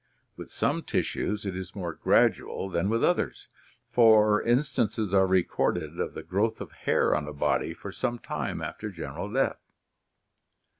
With some tissues it is more gradual than with others, for instances are recorded of the growth of hair on a body for some time after general death.